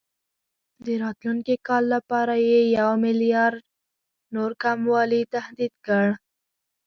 د راتلونکي کال لپاره یې یو میلیارډ نور کموالي تهدید کړ.